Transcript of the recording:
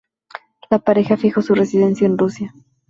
La pareja fijó su residencia en Rusia.